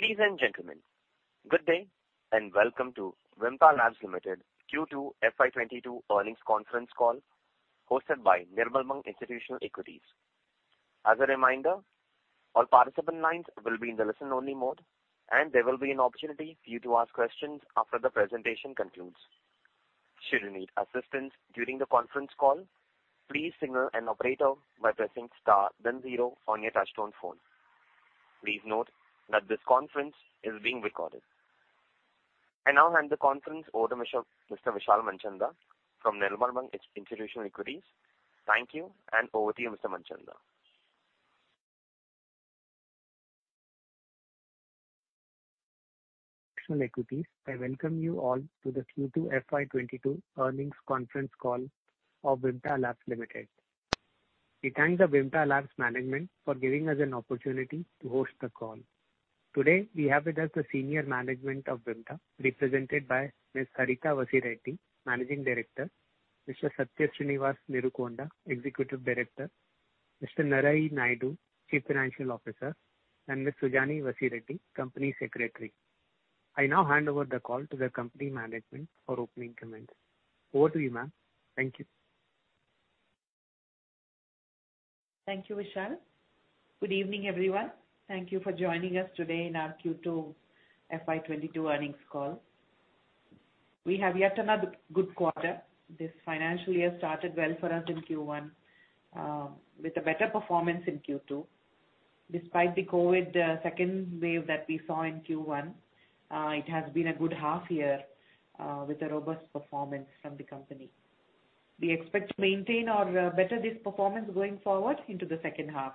Ladies and gentlemen, good day. Welcome to Vimta Labs Limited Q2 FY22 earnings conference call hosted by Nirmal Bang Institutional Equities. As a reminder, all participant lines will be in the listen only mode, and there will be an opportunity for you to ask questions after the presentation concludes. Should you need assistance during the conference call, please signal an operator by pressing star then zero on your touchtone phone. Please note that this conference is being recorded. I now hand the conference over to Mr. Vishal Manchanda from Nirmal Bang Institutional Equities. Thank you. Over to you, Mr. Manchanda. I welcome you all to the Q2 FY22 earnings conference call of Vimta Labs Limited. We thank the Vimta Labs management for giving us an opportunity to host the call. Today, we have with us the senior management of Vimta, represented by Ms. Harita Vasireddi, Managing Director, Mr. Satya Sreenivas Neerukonda, Executive Director, Mr. Narahari Naidu, Chief Financial Officer, and Ms. Sujani Vasireddi, Company Secretary. I now hand over the call to the company management for opening comments. Over to you, ma'am. Thank you. Thank you, Vishal. Good evening, everyone. Thank you for joining us today in our Q2 FY22 earnings call. We have yet another good quarter. This financial year started well for us in Q1, with a better performance in Q2. Despite the COVID second wave that we saw in Q1, it has been a good half year, with a robust performance from the company. We expect to maintain or better this performance going forward into the second half.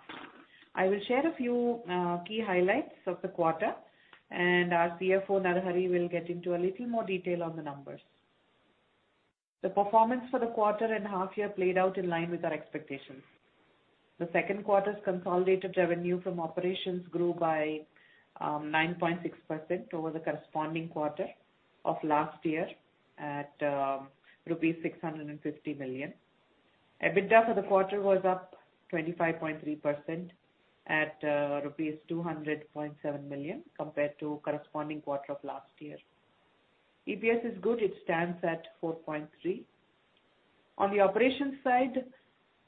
I will share a few key highlights of the quarter, and our CFO, Narahari, will get into a little more detail on the numbers. The performance for the quarter and half year played out in line with our expectations. The second quarter's consolidated revenue from operations grew by 9.6% over the corresponding quarter of last year at rupees 650 million. EBITDA for the quarter was up 25.3% at rupees 200.7 million compared to corresponding quarter of last year. EPS is good. It stands at 4.3. On the operations side,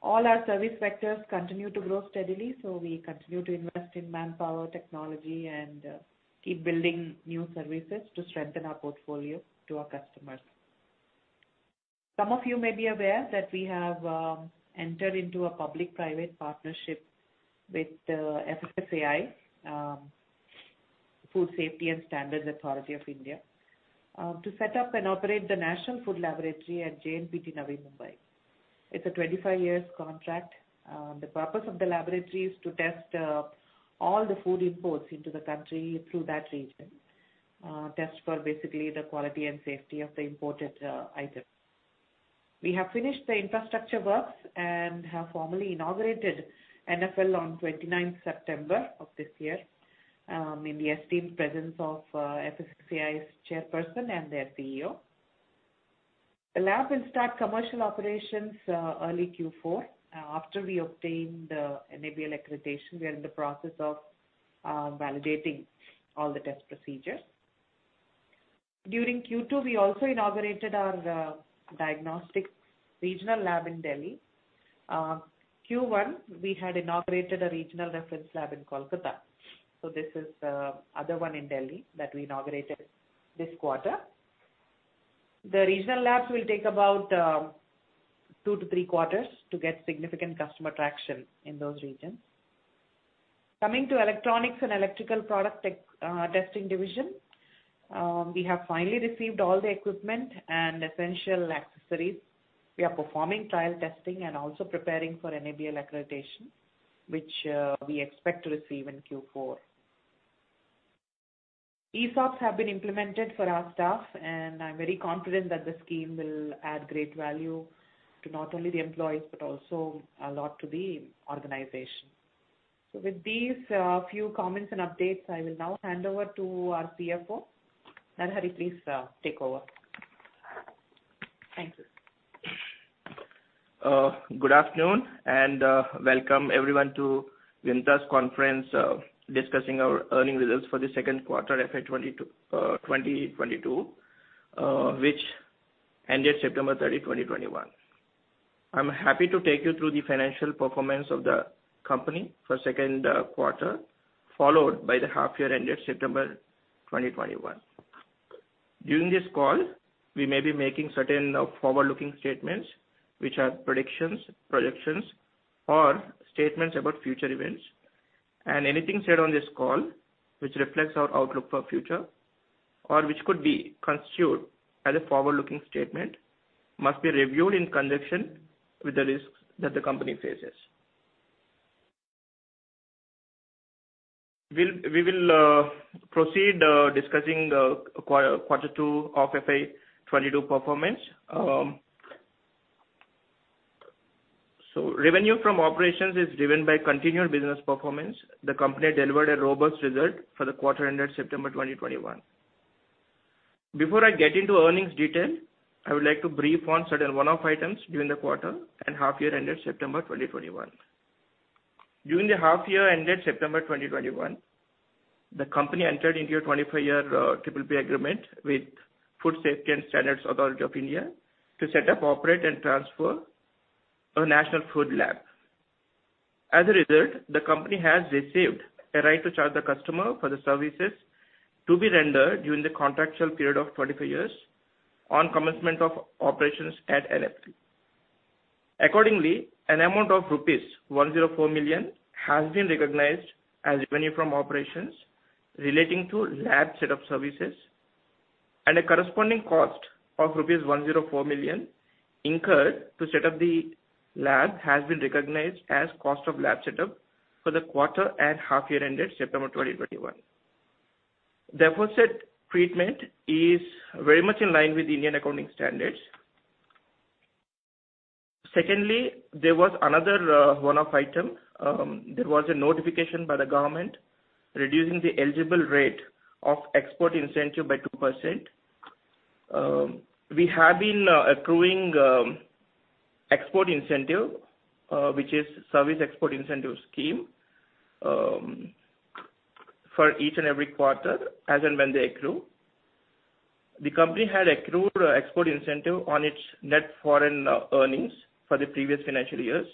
all our service sectors continue to grow steadily, so we continue to invest in manpower, technology, and keep building new services to strengthen our portfolio to our customers. Some of you may be aware that we have entered into a public-private partnership with FSSAI, Food Safety and Standards Authority of India, to set up and operate the National Food Laboratory at JNPT Navi Mumbai. It's a 25 years contract. The purpose of the laboratory is to test all the food imports into the country through that region. Test for basically the quality and safety of the imported items. We have finished the infrastructure works and have formally inaugurated NFL on 29th September of this year, in the esteemed presence of FSSAI's chairperson and their CEO. The lab will start commercial operations early Q4. After we obtain the NABL accreditation, we are in the process of validating all the test procedures. During Q2, we also inaugurated our diagnostics regional lab in Delhi. Q1, we had inaugurated a regional reference lab in Kolkata. This is the other one in Delhi that we inaugurated this quarter. The regional labs will take about two to three quarters to get significant customer traction in those regions. Coming to electronics and electrical product testing division. We have finally received all the equipment and essential accessories. We are performing trial testing and also preparing for NABL accreditation, which we expect to receive in Q4. ESOPs have been implemented for our staff, and I'm very confident that the scheme will add great value to not only the employees, but also a lot to the organization. With these few comments and updates, I will now hand over to our CFO. Narahari, please take over. Thank you. Good afternoon, and welcome everyone to Vimta's conference discussing our earnings results for the second quarter FY 2022, which ended September 30, 2021. I'm happy to take you through the financial performance of the company for second quarter, followed by the half year ended September 2021. During this call, we may be making certain forward-looking statements, which are predictions or statements about future events. Anything said on this call which reflects our outlook for future or which could be construed as a forward-looking statement must be reviewed in conjunction with the risks that the company faces. We will proceed discussing Q2 of FY 2022 performance. Revenue from operations is driven by continued business performance. The company delivered a robust result for the quarter ended September 2021. Before I get into earnings detail, I would like to brief on certain one-off items during the quarter and half year ended September 2021. During the half year ended September 2021, the company entered into a 25-year PPP agreement with Food Safety and Standards Authority of India to set up, operate, and transfer a national food lab. As a result, the company has received a right to charge the customer for the services to be rendered during the contractual period of 25 years on commencement of operations at NFL. Accordingly, an amount of rupees 104 million has been recognized as revenue from operations relating to lab setup services, and a corresponding cost of rupees 104 million incurred to set up the lab has been recognized as cost of lab setup for the quarter and half year ended September 2021. The aforesaid treatment is very much in line with Indian accounting standards. Secondly, there was another one-off item. There was a notification by the government reducing the eligible rate of export incentive by 2%. We have been accruing export incentive, which is service export incentive scheme, for each and every quarter as and when they accrue. The company had accrued export incentive on its net foreign earnings for the previous financial years,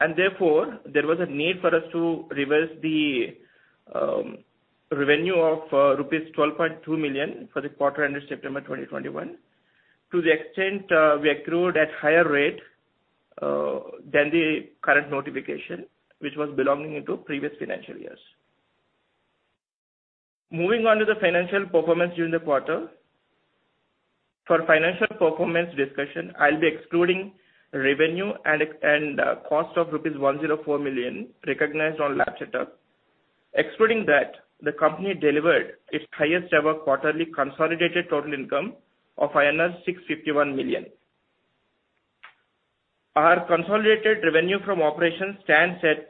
and therefore, there was a need for us to reverse the revenue of rupees 12.2 million for the quarter ended September 2021. To the extent, we accrued at higher rate than the current notification, which was belonging to previous financial years. Moving on to the financial performance during the quarter. For financial performance discussion, I'll be excluding revenue and cost of rupees 104 million recognized on lab setup. Excluding that, the company delivered its highest-ever quarterly consolidated total income of INR 651 million. Our consolidated revenue from operations stands at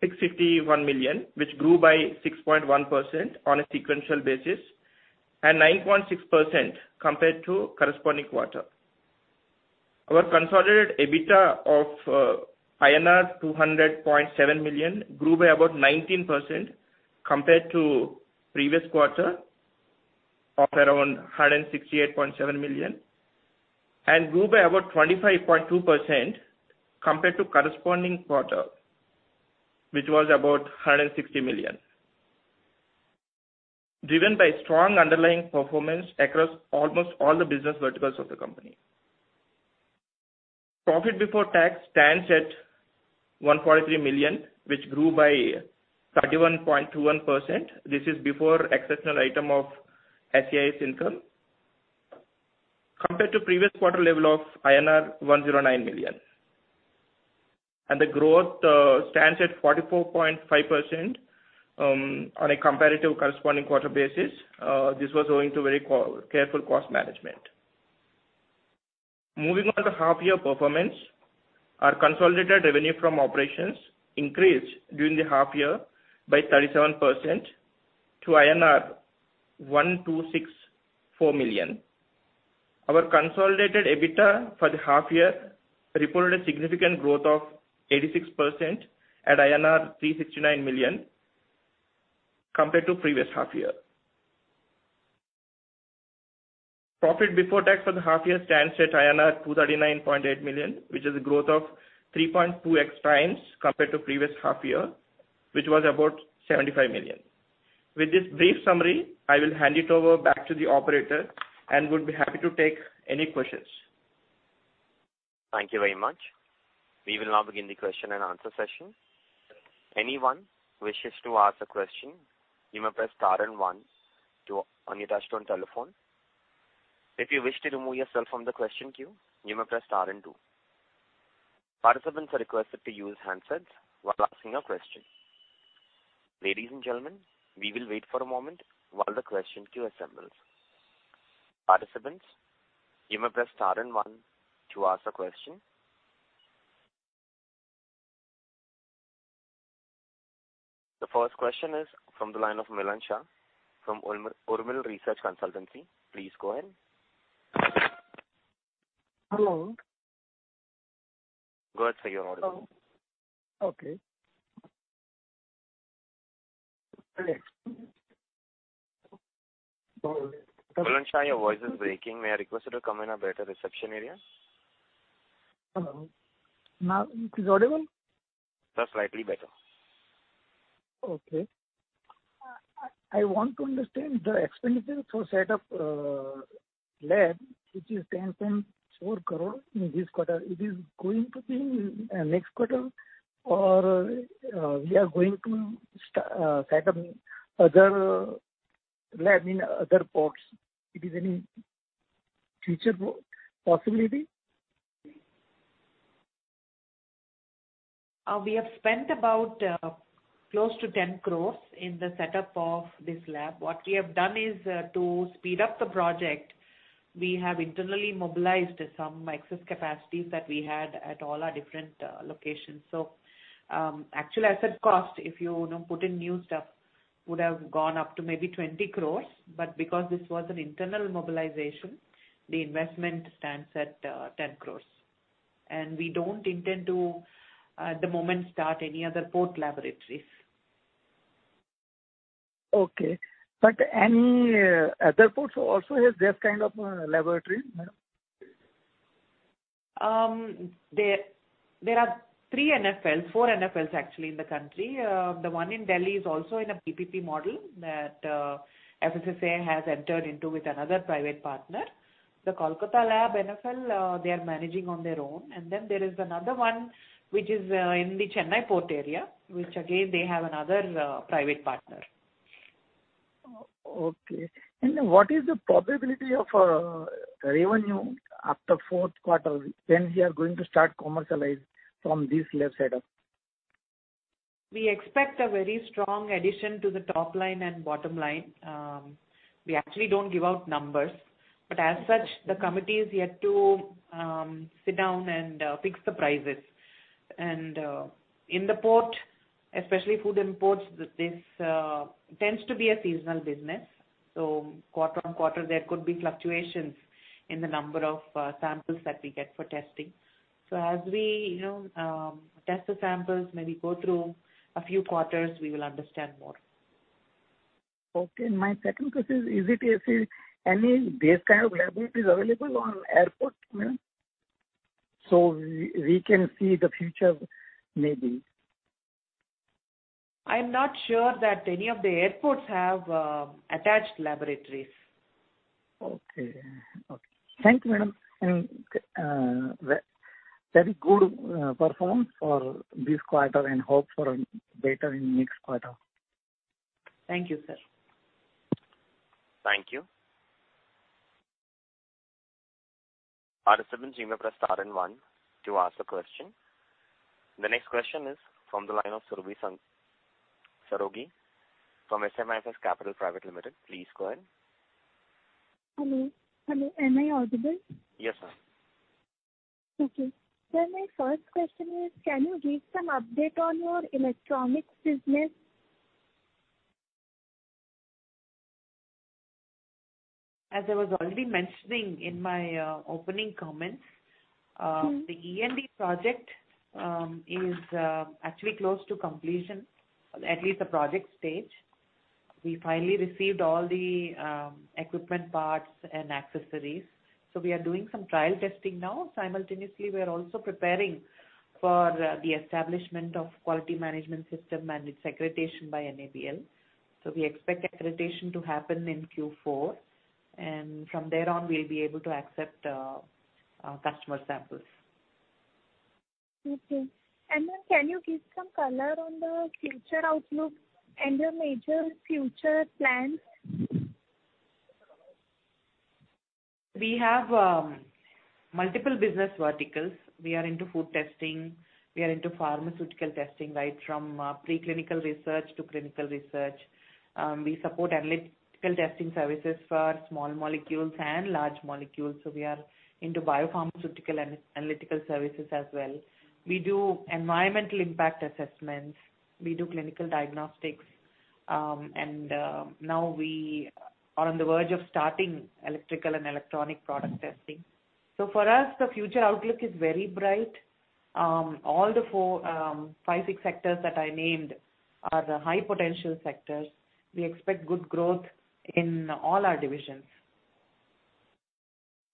651 million, which grew by 6.1% on a sequential basis and 9.6% compared to corresponding quarter. Our consolidated EBITDA of INR 200.7 million grew by about 19% compared to previous quarter of around 168.7 million and grew by about 25.2% compared to corresponding quarter, which was about 160 million. Driven by strong underlying performance across almost all the business verticals of the company. Profit before tax stands at 143 million, which grew by 31.21%. This is before exceptional item of SEIS income. Compared to previous quarter level of INR 109 million. The growth stands at 44.5% on a comparative corresponding quarter basis. This was owing to very careful cost management. Moving on to half year performance, our consolidated revenue from operations increased during the half year by 37% to INR 1,264 million. Our consolidated EBITDA for the half year reported a significant growth of 86% at INR 369 million compared to previous half year. Profit before tax for the half year stands at INR 239.8 million, which is a growth of 3.2x compared to previous half year, which was about 75 million. With this brief summary, I will hand it over back to the operator and would be happy to take any questions. Thank you very much. We will now begin the question and answer session. Anyone wishes to ask a question, you may press star and one on your touchtone telephone. If you wish to remove yourself from the question queue, you may press star and two. Participants are requested to use handsets while asking a question. Ladies and gentlemen, we will wait for a moment while the question queue assembles. Participants, you may press star and one to ask a question. The first question is from the line of Milan Shah from URMIL Research Consultancy. Please go ahead. Hello. Go ahead, sir. You're audible. Okay. Hello. Milan Shah, your voice is breaking. May I request you to come in a better reception area? Hello. Now it is audible? That's slightly better. Okay. I want to understand the expenses for set up lab, which is 10.4 crore in this quarter. It is going to be next quarter, or we are going to set up other lab in other ports? It is any future possibility? We have spent about close to 10 crores in the setup of this lab. What we have done is to speed up the project We have internally mobilized some excess capacities that we had at all our different locations. Actually, asset cost, if you put in new stuff, would have gone up to maybe 20 crores. Because this was an internal mobilization, the investment stands at 10 crores. We don't intend to, at the moment, start any other port laboratories. Okay. Any other ports also have this kind of laboratory, madam? There are four NFLs actually in the country. The one in Delhi is also in a PPP model that FSSAI has entered into with another private partner. The Kolkata lab NFL, they are managing on their own. There is another one which is in the Chennai port area, which again, they have another private partner. Okay. What is the probability of revenue after fourth quarter when we are going to start commercialize from this lab setup? We expect a very strong addition to the top line and bottom line. We actually don't give out numbers, but as such, the committee is yet to sit down and fix the prices. In the port, especially food imports, this tends to be a seasonal business. Quarter-on-quarter, there could be fluctuations in the number of samples that we get for testing. As we test the samples, maybe go through a few quarters, we will understand more. Okay. My second question is it a case any this kind of laboratory is available on airport, madam? We can see the future maybe. I'm not sure that any of the airports have attached laboratories. Okay. Thank you, madam. Very good performance for this quarter, and hope for better in next quarter. Thank you, sir. Thank you. Participants, you may press star and one to ask a question. The next question is from the line of Surabhi Saraogi from SMIFS Capital Private Limited. Please go ahead. Hello. Am I audible? Yes, ma'am. Okay. Sir, my first question is, can you give some update on your electronics business? As I was already mentioning in my opening comments. The E&E project is actually close to completion, at least the project stage. We finally received all the equipment parts and accessories. We are doing some trial testing now. Simultaneously, we are also preparing for the establishment of quality management system and its accreditation by NABL. We expect accreditation to happen in Q4, and from there on, we'll be able to accept customer samples. Okay. Ma'am, can you give some color on the future outlook and your major future plans? We have multiple business verticals. We are into food testing. We are into pharmaceutical testing, right from preclinical research to clinical research. We support analytical testing services for small molecules and large molecules. We are into biopharmaceutical analytical services as well. Now we are on the verge of starting electrical and electronic product testing. We do environmental impact assessments. We do clinical diagnostics. For us, the future outlook is very bright. All the four, five, six sectors that I named are the high potential sectors. We expect good growth in all our divisions.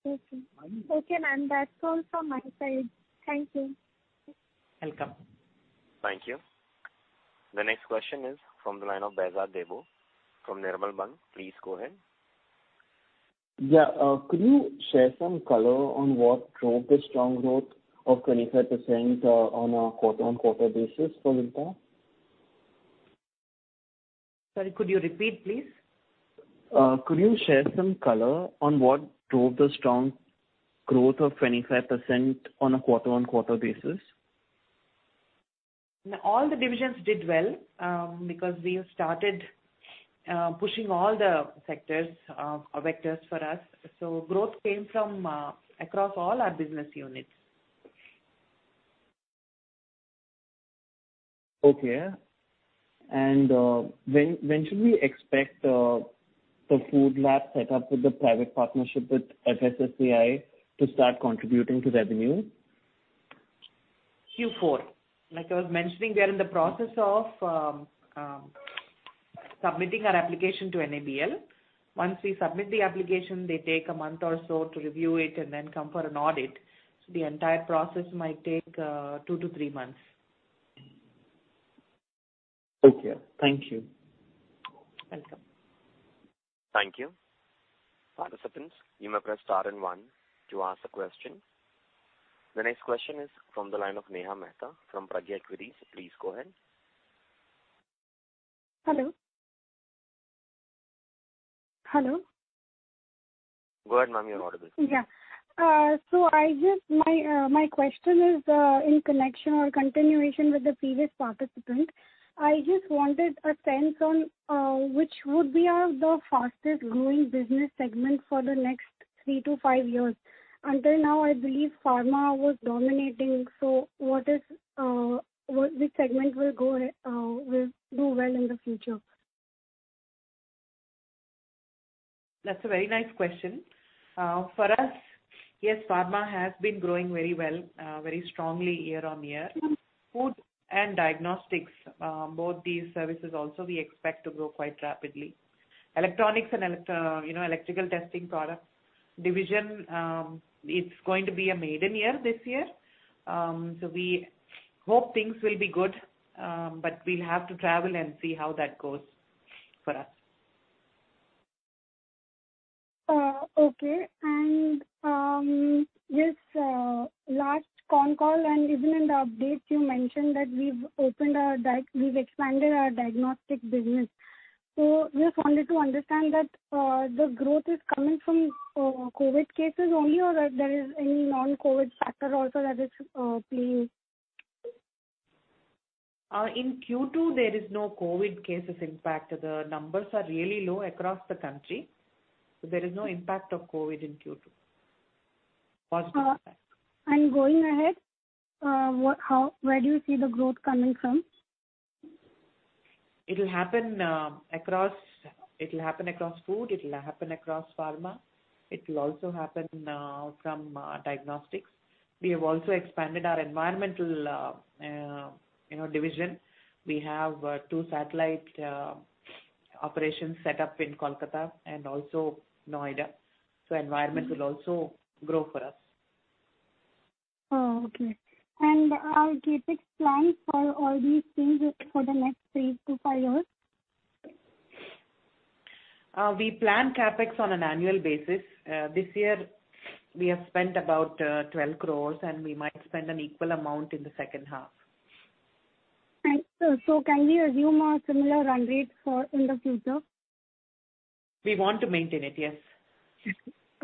Okay, ma'am. That's all from my side. Thank you. Welcome. Thank you. The next question is from the line of Behzad Deboo from Nirmal Bang. Please go ahead. Yeah, could you share some color on what drove the strong growth of 25% on a quarter-on-quarter basis for Vimta? Sorry, could you repeat, please? Could you share some color on what drove the strong growth of 25% on a quarter-on-quarter basis? All the divisions did well because we have started pushing all the vectors for us. Growth came from across all our business units. Okay. When should we expect the food lab set up with the private partnership with FSSAI to start contributing to revenue? Q4. Like I was mentioning, we are in the process of submitting our application to NABL. Once we submit the application, they take a month or so to review it and then come for an audit. The entire process might take two to three months. Okay. Thank you. Welcome. Thank you. The next question is from the line of Neha Mehta from Pragya Equities. Please go ahead. Hello? Hello? Go ahead, ma'am. You're audible. Yeah. My question is in connection or continuation with the previous participant. I just wanted a sense on which would be the fastest growing business segment for the next three to five years. Until now, I believe pharma was dominating. Which segment will do well in the future? That's a very nice question. For us, yes, pharma has been growing very well, very strongly year on year. Food and diagnostics, both these services also, we expect to grow quite rapidly. Electronics and electrical testing products division, it's going to be a maiden year this year. We hope things will be good, but we'll have to travel and see how that goes for us. Okay. This last con call, and even in the updates, you mentioned that we've expanded our diagnostics business. Just wanted to understand that the growth is coming from COVID cases only, or there is any non-COVID factor also that is playing? In Q2, there is no COVID cases impact. The numbers are really low across the country, there is no impact of COVID in Q2. Positive impact. Going ahead, where do you see the growth coming from? It'll happen across food, it'll happen across pharma. It will also happen from diagnostics. We have also expanded our environmental division. We have two satellite operations set up in Kolkata and also Noida. Environment will also grow for us. Oh, okay. Our CapEx plans for all these things for the next three to five years? We plan CapEx on an annual basis. This year we have spent about 12 crores, and we might spend an equal amount in the second half. Can we assume a similar run rate in the future? We want to maintain it, yes.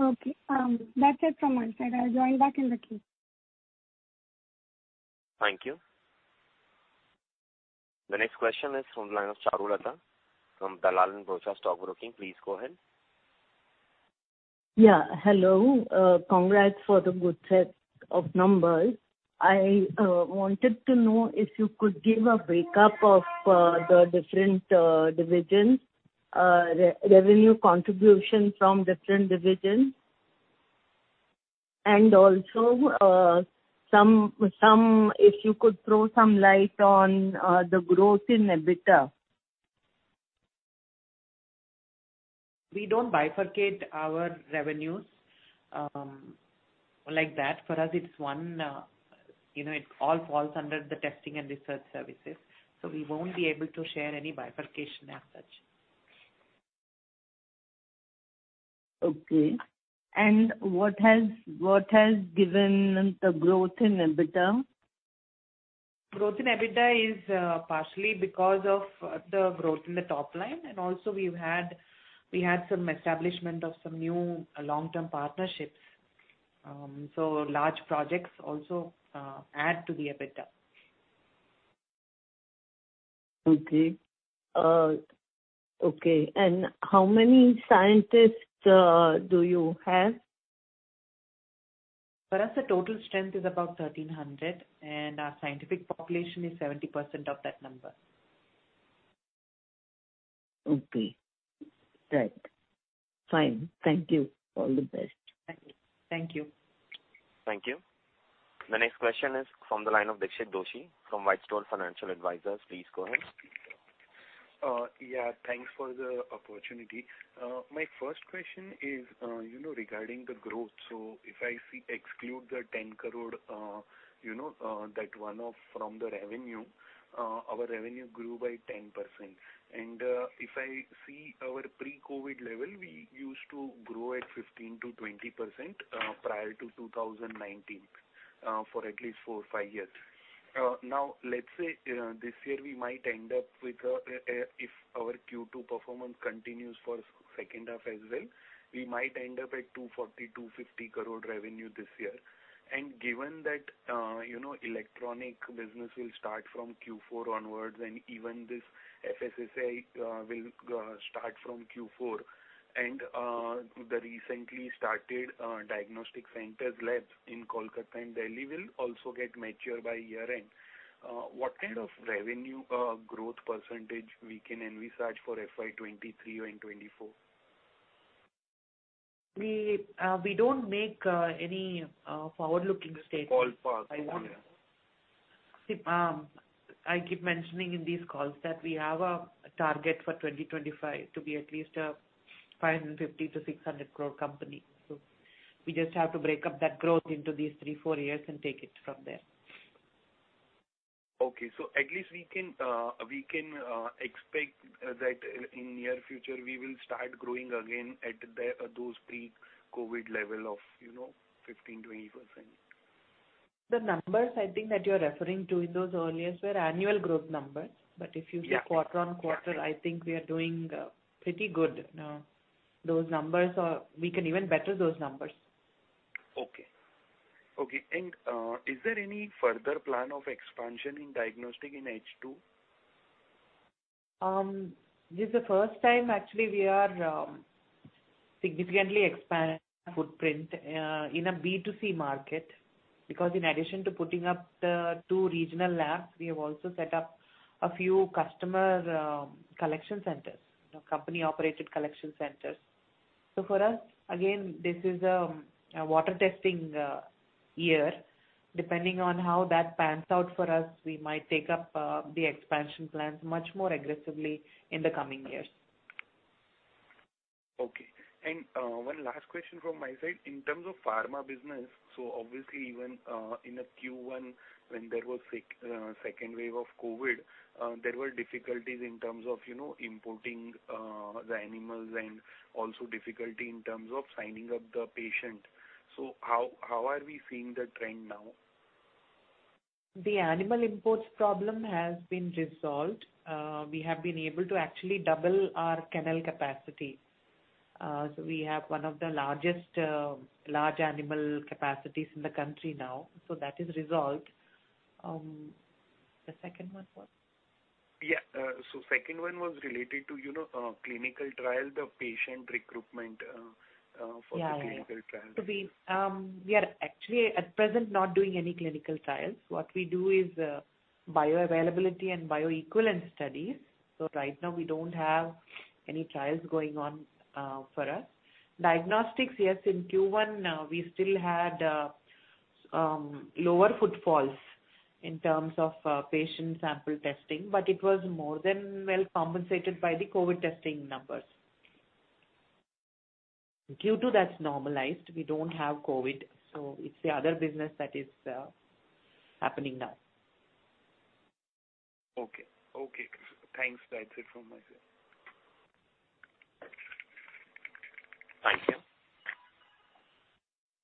Okay. That's it from my side. I'll join back in the queue. Thank you. The next question is from the line of Charulata from Dalal & Broacha Stock Broking. Please go ahead. Yeah, hello. Congrats for the good set of numbers. I wanted to know if you could give a breakup of the different divisions, revenue contribution from different divisions, and also if you could throw some light on the growth in EBITDA. We don't bifurcate our revenues like that. For us, it all falls under the testing and research services, so we won't be able to share any bifurcation as such. Okay. What has given the growth in EBITDA? Growth in EBITDA is partially because of the growth in the top line. Also we had some establishment of some new long-term partnerships. Large projects also add to the EBITDA. Okay. How many scientists do you have? For us, the total strength is about 1,300, and our scientific population is 70% of that number. Okay. Right. Fine. Thank you. All the best. Thank you. Thank you. The next question is from the line of Dixit Doshi from Whitestone Financial Advisors. Please go ahead. Thanks for the opportunity. My first question is regarding the growth. If I exclude the 10 crore, that one-off from the revenue, our revenue grew by 10%. If I see our pre-COVID level, we used to grow at 15% to 20% prior to 2019, for at least four or five years. Let's say, this year, if our Q2 performance continues for second half as well, we might end up at 240 to 250 crore revenue this year. Given that electronic business will start from Q4 onwards, and even this FSSAI will start from Q4. The recently started diagnostic centers labs in Kolkata and Delhi will also get mature by year-end. What kind of revenue growth percentage we can envisage for FY 2023 and 2024? We don't make any forward-looking statements. Call for one year. I keep mentioning in these calls that we have a target for 2025 to be at least a 550 to 600 crore company. We just have to break up that growth into these three, four years and take it from there. Okay. At least we can expect that in near future we will start growing again at those pre-COVID level of 15% to 20%. The numbers I think that you're referring to in those earlier were annual group numbers. If you see quarter-on-quarter, I think we are doing pretty good. We can even better those numbers. Okay. Is there any further plan of expansion in diagnostic in H2? This is the first time actually we are significantly expanding footprint in a B2C market because in addition to putting up the two regional labs, we have also set up a few customer collection centers, company operated collection centers. For us, again, this is a water testing year. Depending on how that pans out for us, we might take up the expansion plans much more aggressively in the coming years. Okay. One last question from my side. In terms of pharma business, obviously even in Q1 when there was second wave of COVID, there were difficulties in terms of importing the animals and also difficulty in terms of signing up the patient. How are we seeing the trend now? The animal imports problem has been resolved. We have been able to actually double our kennel capacity. We have one of the largest large animal capacities in the country now. That is resolved. The second one was? Yeah. second one was related to clinical trial, the patient recruitment for the clinical trial. We are actually at present not doing any clinical trials. What we do is bioavailability and bioequivalent studies. Right now we don't have any trials going on for us. Diagnostics, yes, in Q1, we still had lower footfalls in terms of patient sample testing, it was more than well compensated by the COVID testing numbers. Q2, that's normalized. We don't have COVID, it's the other business that is happening now. Okay. Thanks. That's it from my side. Thank you.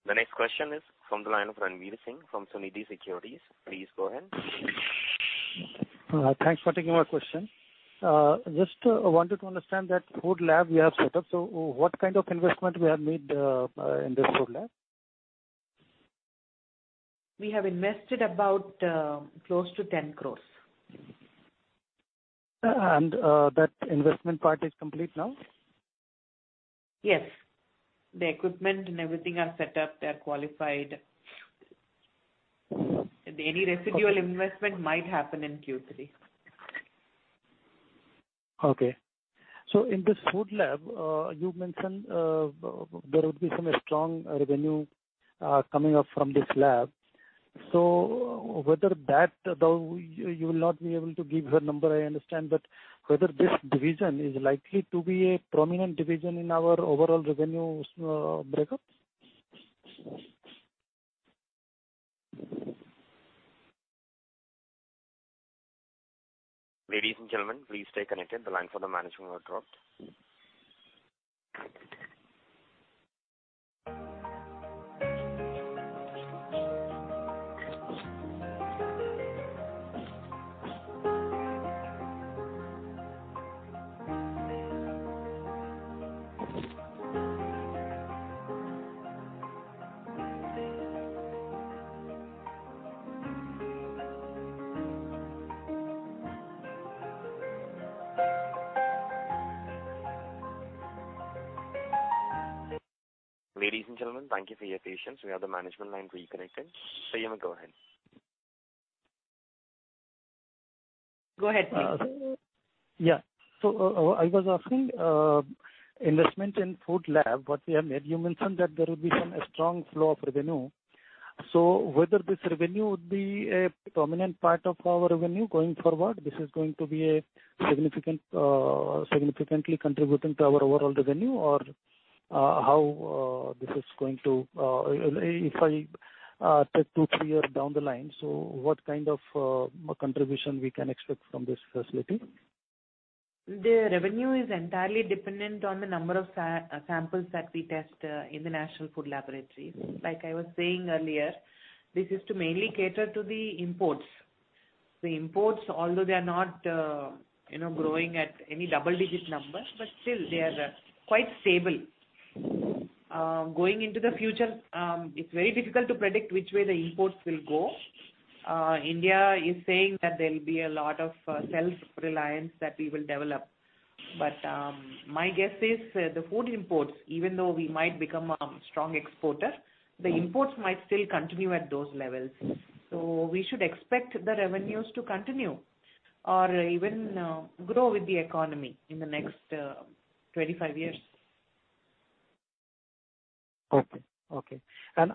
The next question is from the line of Ranveer Singh from Sunidhi Securities. Please go ahead. Thanks for taking my question. Just wanted to understand that food lab you have set up. What kind of investment we have made in this food lab? We have invested about close to 10 crores. That investment part is complete now? Yes. The equipment and everything are set up. They're qualified. Any residual investment might happen in Q3. Okay. In this food lab, you mentioned there would be some strong revenue coming up from this lab. Whether that, though you will not be able to give a number, I understand, but whether this division is likely to be a prominent division in our overall revenue breakup? Ladies and gentlemen, please stay connected. The line for the management got dropped. Ladies and gentlemen, thank you for your patience. We have the management line reconnected. Singh, go ahead. Go ahead, please. Yeah. I was asking investment in food lab, what we have made. You mentioned that there will be some strong flow of revenue. Whether this revenue would be a prominent part of our revenue going forward, this is going to be significantly contributing to our overall revenue, or if I take two, three years down the line, so what kind of contribution we can expect from this facility? The revenue is entirely dependent on the number of samples that we test in the National Food Laboratory. Like I was saying earlier, this is to mainly cater to the imports. The imports, although they are not growing at any double-digit numbers, but still they are quite stable. Going into the future, it's very difficult to predict which way the imports will go. India is saying that there'll be a lot of self-reliance that we will develop. My guess is the food imports, even though we might become a strong exporter, the imports might still continue at those levels. We should expect the revenues to continue or even grow with the economy in the next 25 years. Okay.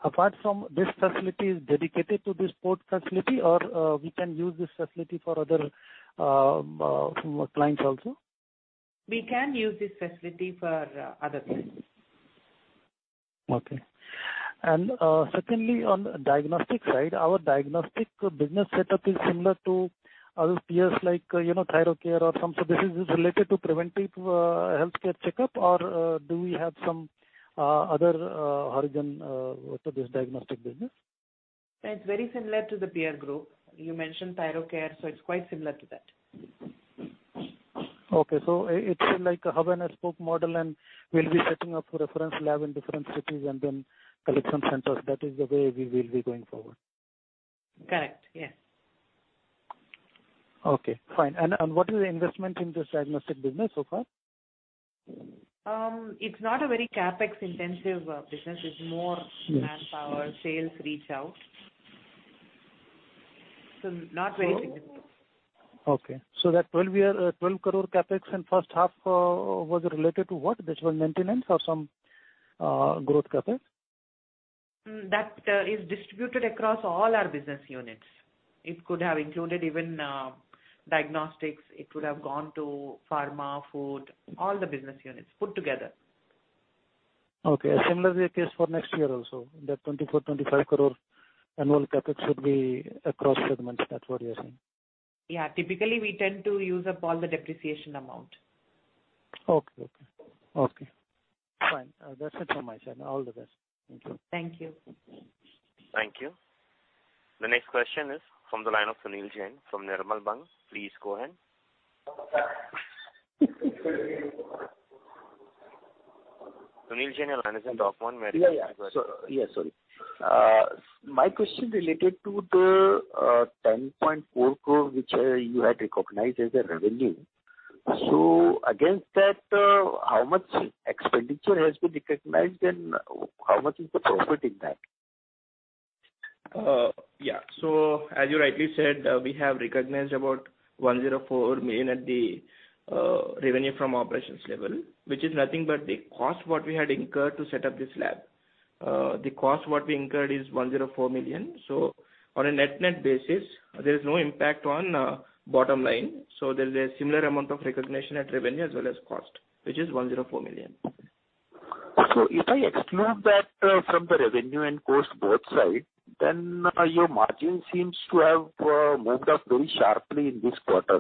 Apart from this facility is dedicated to this port facility or we can use this facility for other clients also? We can use this facility for other clients. Okay. Secondly, on diagnostic side, our diagnostic business setup is similar to other peers like Thyrocare or some. This is related to preventive healthcare checkup or do we have some other origin to this diagnostic business? It's very similar to the peer group. You mentioned Thyrocare, it's quite similar to that. Okay, it's like a hub-and-spoke model, and we'll be setting up a reference lab in different cities and then collection centers. That is the way we will be going forward. Correct. Yes. Okay, fine. What is the investment in this diagnostic business so far? It's not a very CapEx-intensive business. It's more manpower, sales reach out. Not very intensive. Okay. That 12 crore CapEx in first half was related to what? Just for maintenance or some growth CapEx? That is distributed across all our business units. It could have included even diagnostics. It could have gone to pharma, food, all the business units put together. Okay. Similarly the case for next year also. That 24 to 25 crore annual CapEx should be across segments. That's what you're saying. Yeah. Typically, we tend to use up all the depreciation amount. Okay. Fine. That's it from my side. All the best. Thank you. Thank you. Thank you. The next question is from the line of Sunil Jain from Nirmal Bang. Please go ahead. Sunil Jain, your line is on talk mode. Yeah. Sorry. My question related to the 10.4 crore which you had recognized as a revenue. Against that, how much expenditure has been recognized, and how much is the profit in that? Yeah. As you rightly said, we have recognized about 104 million at the revenue from operations level, which is nothing but the cost what we had incurred to set up this lab. The cost what we incurred is 104 million. On a net basis, there is no impact on bottom line. There is a similar amount of recognition at revenue as well as cost, which is 104 million. If I exclude that from the revenue and cost both side, then your margin seems to have moved up very sharply in this quarter.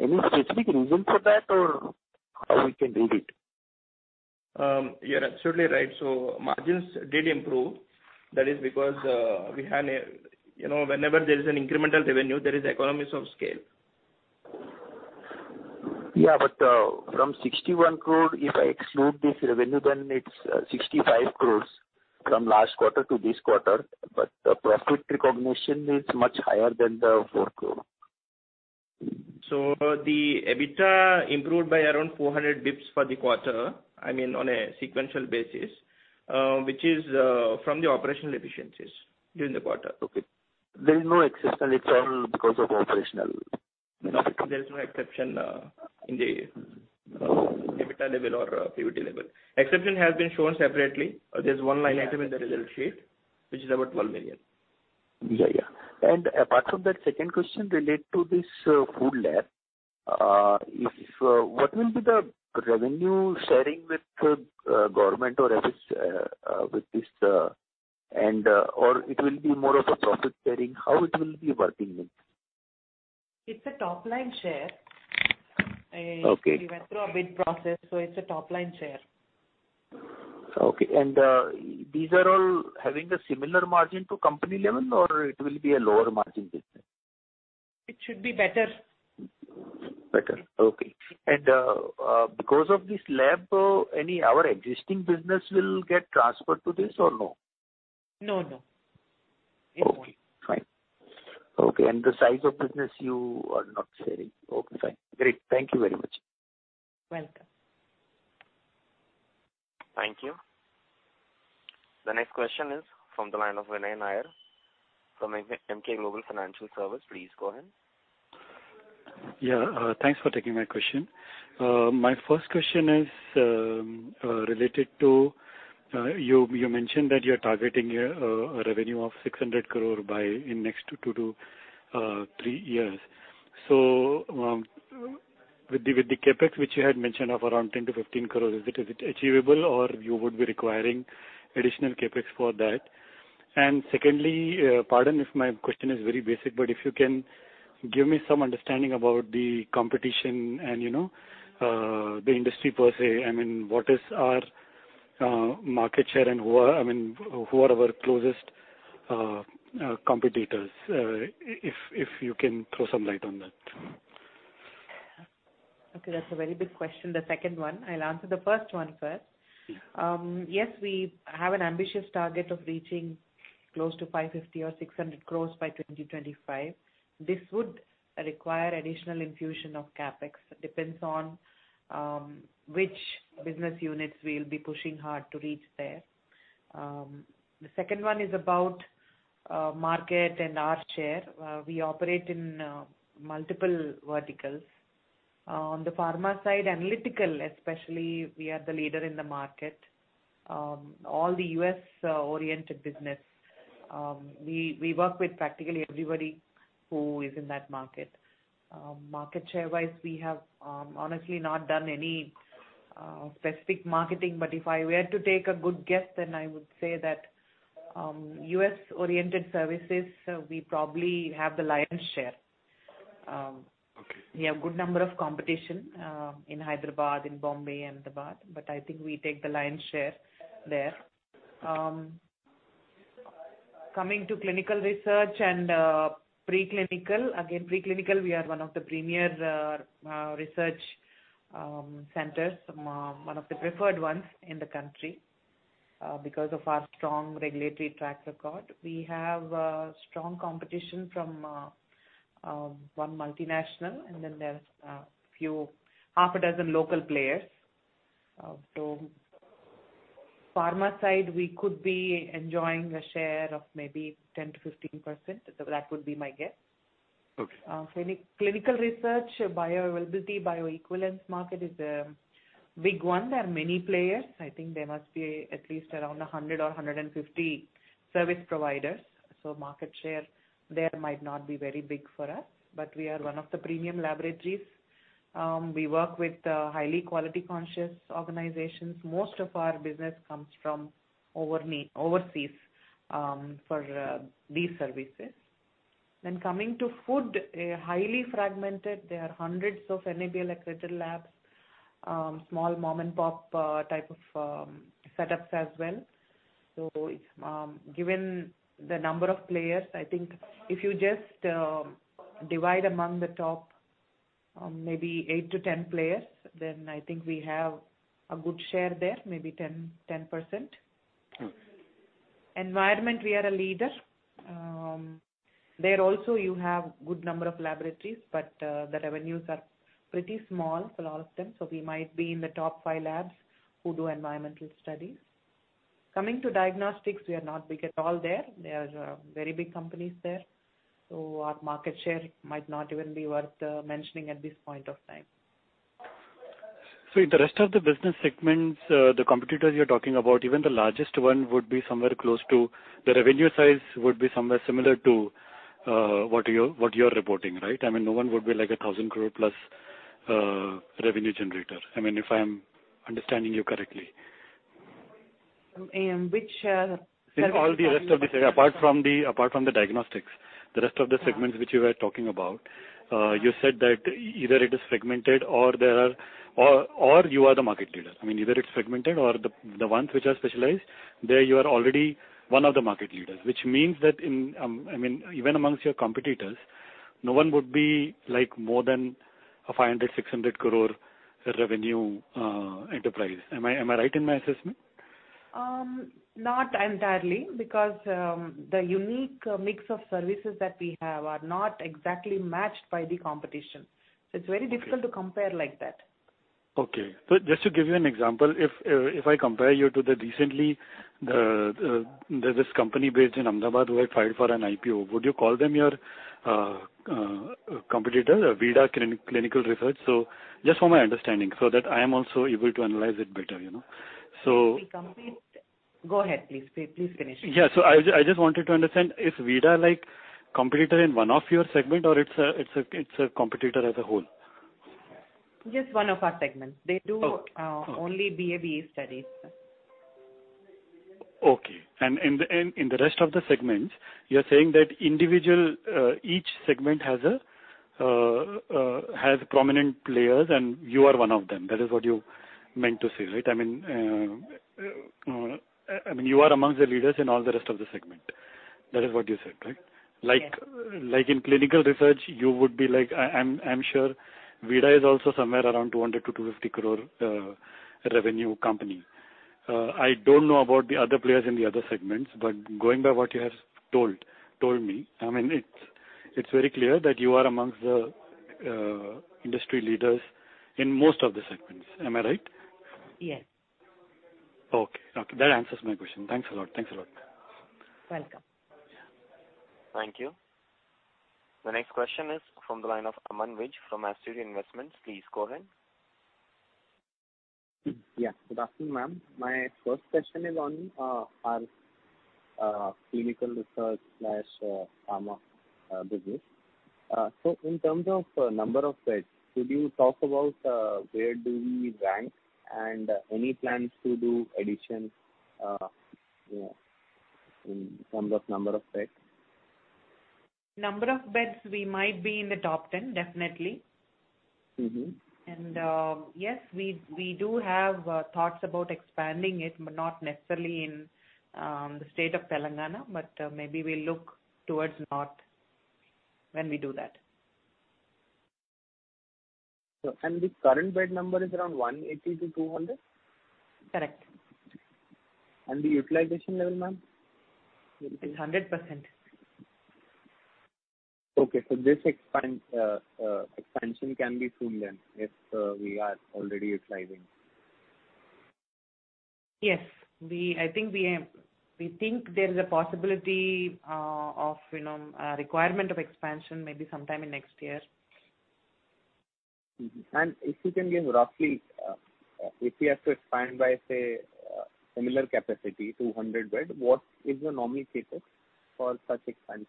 Any specific reason for that or how we can read it? You're absolutely right. Margins did improve. That is because whenever there is an incremental revenue, there is economies of scale. Yeah, from 61 crore, if I exclude this revenue, then it's 65 crores from last quarter to this quarter, but the profit recognition is much higher than the 4 crore. The EBITDA improved by around 400 basis points for the quarter, I mean, on a sequential basis, which is from the operational efficiencies during the quarter. Okay. There is no exceptional, it's all because of operational? No, there is no exception in the EBITDA level or PBT level. Exception has been shown separately. There is one line item in the result sheet, which is about 12 million. Yeah. Apart from that, second question relate to this food lab. What will be the revenue sharing with government or it will be more of a profit sharing? How it will be working then? It's a top-line share. Okay. We went through a bid process, so it's a top-line share. Okay. These are all having the similar margin to company level or it will be a lower margin business? It should be better. Better. Okay. Because of this lab, our existing business will get transferred to this or no? No. Okay. Fine. Okay. The size of business you are not sharing. Okay, fine. Great. Thank you very much. Welcome. Thank you. The next question is from the line of Vinay Nair from Emkay Global Financial Services. Please go ahead. Yeah. Thanks for taking my question. My first question is related to you mentioned that you're targeting a revenue of 600 crore in next two to three years. With the CapEx, which you had mentioned of around 10 to 15 crore, is it achievable or you would be requiring additional CapEx for that? Secondly, pardon if my question is very basic, but if you can give me some understanding about the competition and the industry per se. I mean, what is our market share and who are our closest competitors? If you can throw some light on that. Okay, that's a very big question, the second one. I'll answer the first one first. Yes, we have an ambitious target of reaching close to 550 or 600 crores by 2025. This would require additional infusion of CapEx. Depends on which business units we'll be pushing hard to reach there. The second one is about market and our share. We operate in multiple verticals. On the pharma side, analytical especially, we are the leader in the market. All the U.S.-oriented business. We work with practically everybody who is in that market. Market share-wise, we have honestly not done any specific marketing. If I were to take a good guess, then I would say that U.S.-oriented services, we probably have the lion's share. We have good number of competition in Hyderabad, in Bombay, Ahmedabad. I think we take the lion's share there. Coming to clinical research and pre-clinical, again, pre-clinical, we are one of the premier research centers, one of the preferred ones in the country because of our strong regulatory track record. We have strong competition from one multinational. Then there's a few, six local players. Pharma side, we could be enjoying a share of maybe 10% to 15%. That would be my guess. For any clinical research, bioavailability, bioequivalence market is a big one. There are many players. I think there must be at least around 100 or 150 service providers. Market share there might not be very big for us, but we are one of the premium laboratories. We work with highly quality conscious organizations. Most of our business comes from overseas for these services. Coming to food, highly fragmented. There are hundreds of NABL accredited labs, small mom-and-pop type of setups as well. Given the number of players, I think if you just divide among the top maybe eight to 10 players, then I think we have a good share there, maybe 10%. Environment, we are a leader. There also you have good number of laboratories, but the revenues are pretty small for all of them. We might be in the top five labs who do environmental studies. Coming to diagnostics, we are not big at all there. There are very big companies there. Our market share might not even be worth mentioning at this point of time. In the rest of the business segments, the competitors you're talking about, even the largest one, the revenue size would be somewhere similar to what you're reporting, right? No one would be like a 1,000 crore plus revenue generator. If I'm understanding you correctly. In which service? In all the rest of the segment, apart from the diagnostics. The rest of the segments which you were talking about. You said that either it is fragmented or you are the market leader. Either it's fragmented or the ones which are specialized, there you are already one of the market leaders. Which means that even amongst your competitors, no one would be more than a 500 crore, 600 crore revenue enterprise. Am I right in my assessment? Not entirely, because the unique mix of services that we have are not exactly matched by the competition. It's very difficult to compare like that. Okay. Just to give you an example, if I compare you to the recently, there's this company based in Ahmedabad who had filed for an IPO. Would you call them your competitor, Veeda Clinical Research? Just for my understanding, so that I am also able to analyze it better. Go ahead, please. Please finish. Yeah. I just wanted to understand, is Veeda competitor in one of your segment, or it's a competitor as a whole? Just one of our segments. They do only BA/BE studies. Okay. In the rest of the segments, you're saying that each segment has prominent players, and you are one of them. That is what you meant to say, right? You are amongst the leaders in all the rest of the segment. That is what you said, right? Yes. Like in clinical research, you would be like, I'm sure Veeda is also somewhere around 200 to 250 crore revenue company. I don't know about the other players in the other segments. Going by what you have told me, it's very clear that you are amongst the industry leaders in most of the segments. Am I right? Yes. Okay. That answers my question. Thanks a lot. Welcome. Thank you. The next question is from the line of Aman Vij from Astute Investments. Please go ahead. Yes. Good afternoon, ma'am. My first question is on our clinical research/pharma business. In terms of number of beds, could you talk about where do we rank and any plans to do additions in terms of number of beds? Number of beds, we might be in the top 10, definitely. Yes, we do have thoughts about expanding it, but not necessarily in the state of Telangana, but maybe we'll look towards north when we do that. The current bed number is around 180-200? Correct. The utilization level, ma'am? It's 100%. Okay. This expansion can be soon then, if we are already utilizing. Yes. We think there is a possibility of a requirement of expansion maybe sometime in next year. If you can give roughly, if you have to expand by, say, similar capacity, 200 bed, what is the nominee CapEx for such expansion?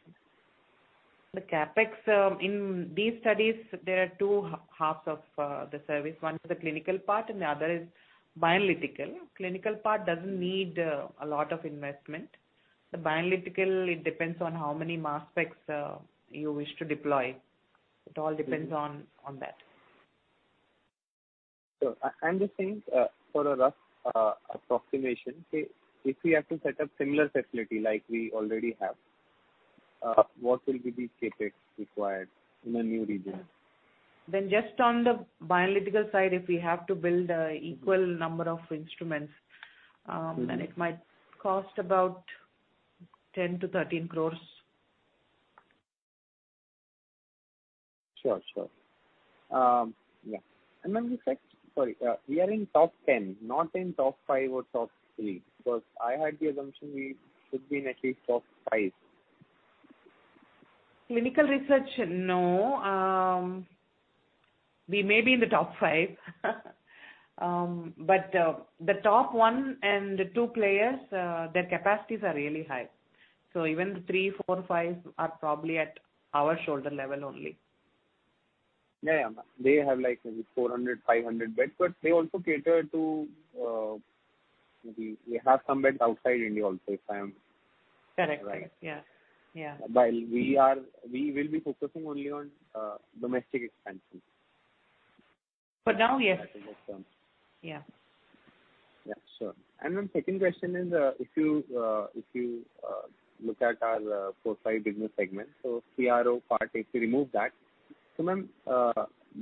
The CapEx, in these studies, there are two halves of the service. One is the clinical part and the other is bioanalytical. Clinical part doesn't need a lot of investment. The bioanalytical, it depends on how many mass specs you wish to deploy. It all depends on that. I'm just saying, for a rough approximation, say, if we have to set up similar facility like we already have, what will be the CapEx required in a new region? Just on the bioanalytical side, if we have to build an equal number of instruments. It might cost about 10 to 13 crores. Sure. Yeah. Ma'am you said Sorry, we are in top 10, not in top five or top three. I had the assumption we should be in at least top five. Clinical research, no. We may be in the top five. The top one and the two players, their capacities are really high. Even three, four, five are probably at our shoulder level only. Yeah. They have like maybe 400, 500 beds. They have some beds outside India also. Correct. Right. Yeah. While we will be focusing only on domestic expansion. For now, yes. As of now. Yeah. Yeah, sure. Ma'am, second question is, if you look at our four, five business segments, CRO part, if you remove that, ma'am,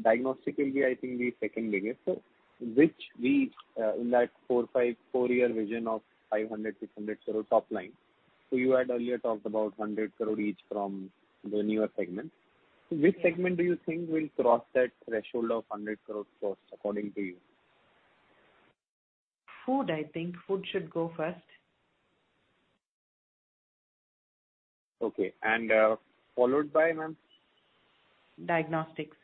diagnostically, I think we're second biggest. Which we, in that four, five, four-year vision of 500 to 600 crore top line. You had earlier talked about 100 crore each from the newer segments. Yes. Which segment do you think will cross that threshold of 100 crore first, according to you? Food, I think. Food should go first. Okay. Followed by, ma'am? Diagnostics.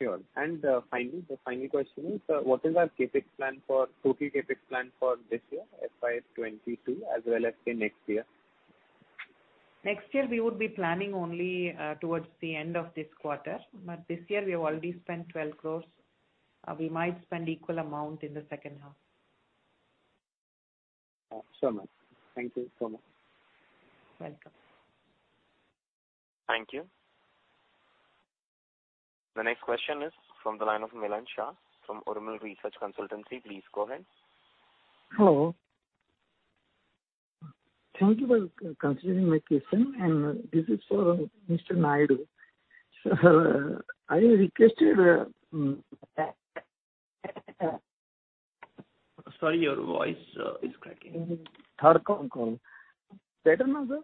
Sure. Finally, the final question is, what is our total CapEx plan for this year, FY22, as well as in next year? Next year we would be planning only towards the end of this quarter, but this year we have already spent 12 crores. We might spend equal amount in the second half. Sure, ma'am. Thank you so much. Welcome. Thank you. The next question is from the line of Milan Shah from Urmil Research Consultancy. Please go ahead. Hello. Thank you for considering my question, and this is for Mr. Naidu. I requested- Sorry, your voice is cracking. Third con call. Better now, sir?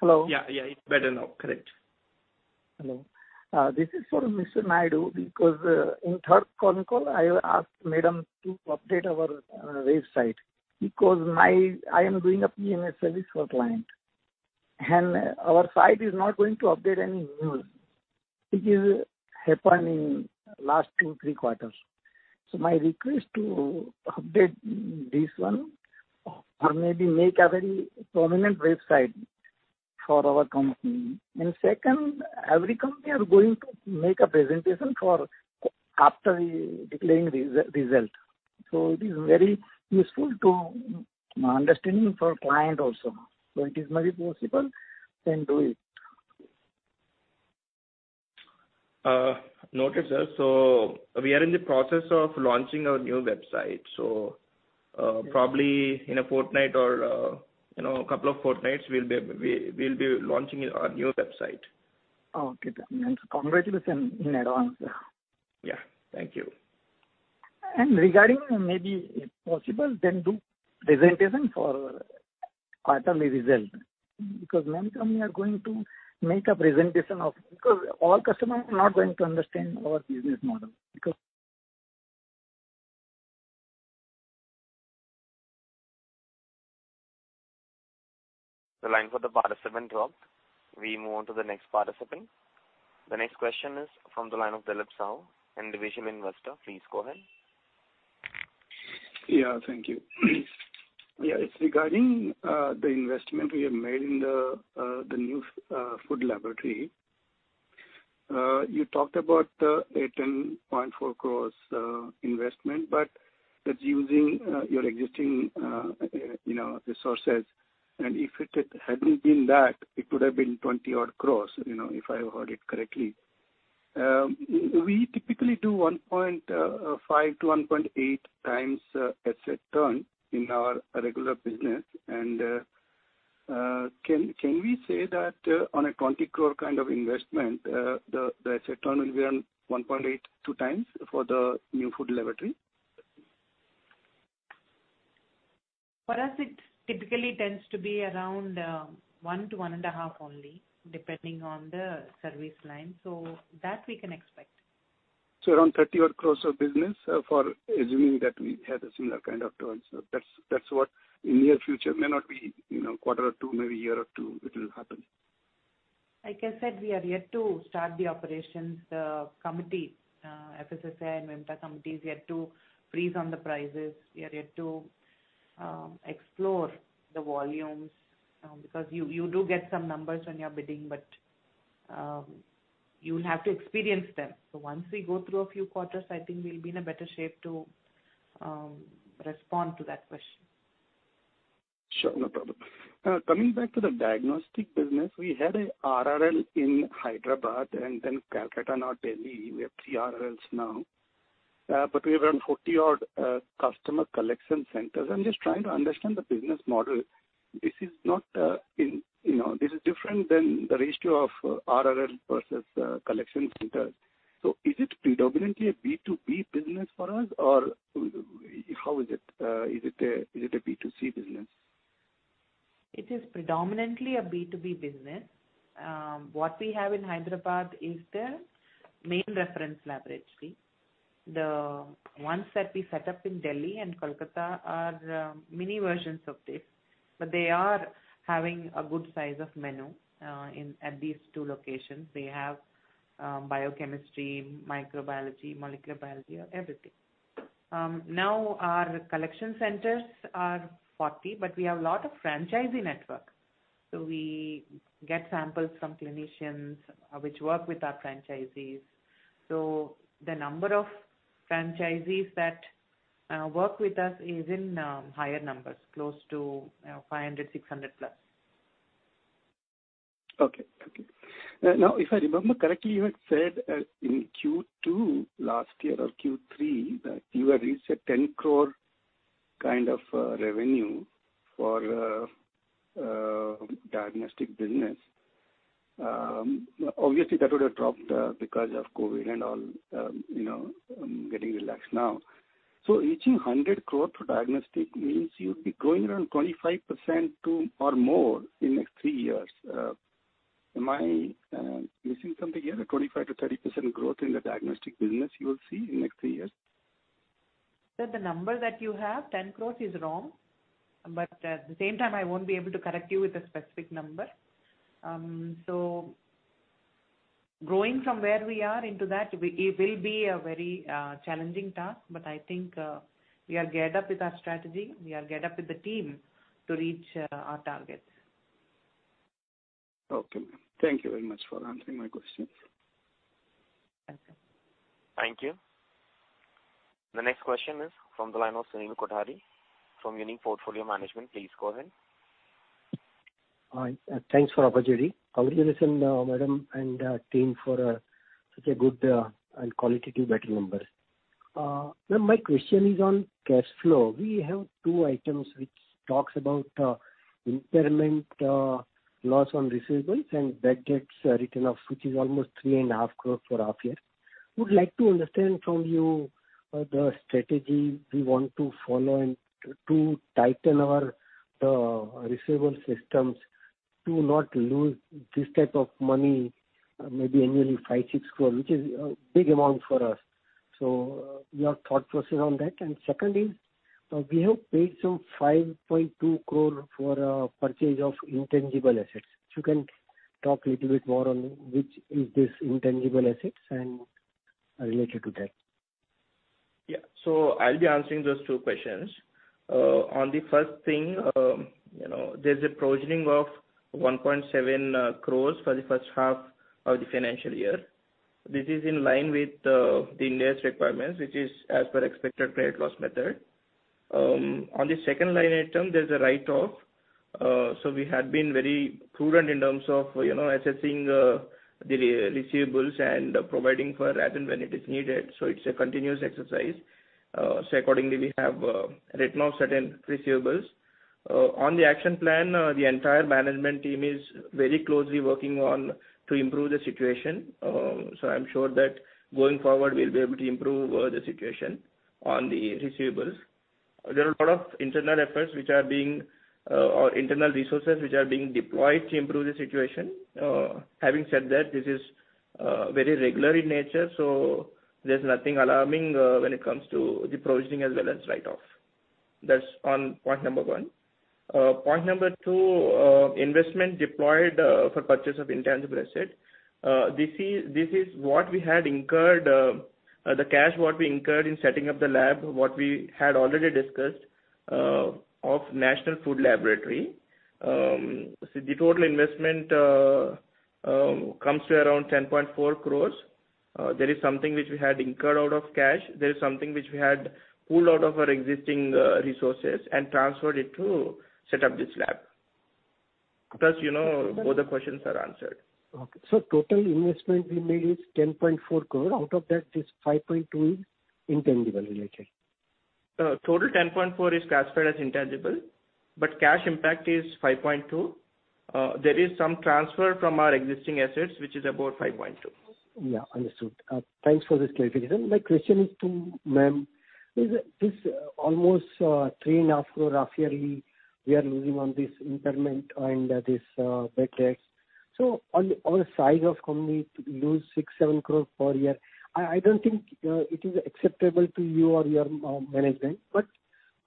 Hello? Yeah. It's better now. Correct. Hello. This is for Mr. Naidu because in third con call, I asked madam to update our website because I am doing a PMS service for client, and our website is not going to update any news, which is happening last two, three quarters. My request to update this one or maybe make a very prominent website for our company. Second, every company are going to make a presentation after declaring result. It is very useful to understanding for client also. It is maybe possible, then do it. Noted, sir. We are in the process of launching our new website. Probably in a fortnight or a couple of fortnights, we'll be launching our new website. Okay, done. Congratulations in advance, sir. Yeah. Thank you. Regarding, maybe if possible, then do presentation for quarterly result. Many company are going to make a presentation. All customers are not going to understand our business model. The line for the participant dropped. We move on to the next participant. The next question is from the line of Dilip Sahu, Individual Investor. Please go ahead. Thank you. It's regarding the investment we have made in the new food laboratory. You talked about an 10.4 crores investment, that's using your existing resources. If it hadn't been that, it could have been 20 odd crores, if I heard it correctly. We typically do 1.5 to 1.8 times asset turn in our regular business. Can we say that on an 20 crore kind of investment, the asset turn will be around 1.82 times for the new food laboratory? For us, it typically tends to be around one to one and a half only, depending on the service line. That we can expect. Around 30 odd crores of business for assuming that we have a similar kind of turns. That's what in near future may not be quarter or two, maybe a year or two, it will happen. Like I said, we are yet to start the operations. The committee, FSSAI and Vimta committee is yet to freeze on the prices. We are yet to explore the volumes. You do get some numbers when you're bidding, but you will have to experience them. Once we go through a few quarters, I think we'll be in a better shape to respond to that question. Sure. No problem. Coming back to the diagnostic business, we had a RRL in Hyderabad and then Kolkata, now Delhi. We have three RRLs now. We have around 40 odd customer collection centers. I'm just trying to understand the business model. This is different than the ratio of RRL versus collection center. Is it predominantly a B2B business for us, or how is it? Is it a B2C business? It is predominantly a B2B business. What we have in Hyderabad is the main reference laboratory. The ones that we set up in Delhi and Kolkata are mini versions of this, but they are having a good size of menu at these two locations. They have biochemistry, microbiology, molecular biology, everything. Our collection centers are 40, but we have lot of franchisee network. We get samples from clinicians which work with our franchisees. The number of franchisees that work with us is in higher numbers, close to 500, 600 plus. If I remember correctly, you had said in Q2 last year or Q3 that you had reached a 10 crore kind of revenue for diagnostic business. Obviously, that would have dropped because of COVID and all, getting relaxed now. Reaching 100 crore for diagnostic means you'll be growing around 25% or more in next three years. Am I missing something here? A 25%-30% growth in the diagnostic business you will see in next three years? Sir, the number that you have, 10 crores, is wrong. At the same time, I won't be able to correct you with a specific number. Growing from where we are into that, it will be a very challenging task. I think we are geared up with our strategy. We are geared up with the team to reach our targets. Okay, ma'am. Thank you very much for answering my questions. Thank you. Thank you. The next question is from the line of Sunil Kothari from Unique Portfolio Management. Please go ahead. Hi. Thanks for the opportunity. Congratulations, madam and team, for such good and qualitative better numbers. Ma'am, my question is on cash flow. We have two items which talk about impairment loss on receivables and bad debts written off, which is almost three and a half crore for half year. Would like to understand from you the strategy we want to follow and to tighten our receivable systems to not lose this type of money, maybe annually 5, 6 crore, which is a big amount for us. Your thought process on that. Second is, we have paid some 5.2 crore for purchase of intangible assets. If you can talk a little bit more on which is this intangible assets and related to that. Yeah. I'll be answering those two questions. On the first thing, there's a provisioning of 1.7 crores for the first half of the financial year. This is in line with the industry requirements, which is as per expected credit loss method. On the second line item, there's a write-off. We had been very prudent in terms of assessing the receivables and providing for it as and when it is needed. It's a continuous exercise. Accordingly we have written off certain receivables. On the action plan, the entire management team is very closely working on to improve the situation. I'm sure that going forward we'll be able to improve the situation on the receivables. There are a lot of internal efforts or internal resources which are being deployed to improve the situation. Having said that, this is very regular in nature, so there's nothing alarming when it comes to the provisioning as well as write-off. That's on point number one. Point number two, investment deployed for purchase of intangible asset. This is what we had incurred, the cash what we incurred in setting up the lab, what we had already discussed, of National Food Laboratory. The total investment comes to around 10.4 crores. There is something which we had incurred out of cash. There is something which we had pulled out of our existing resources and transferred it to set up this lab. Thus, both the questions are answered. Okay. total investment we made is 10.4 crore. Out of that, this 5.2 is intangible related. Total 10.4 is classified as intangible, but cash impact is 5.2. There is some transfer from our existing assets which is about 5.2. Understood. Thanks for this clarification. My question is to ma'am. This almost INR t3.5 Crore roughly we are losing on this impairment and this bad debts. On the size of company to lose 6 crore-7 crore per year, I don't think it is acceptable to you or your management.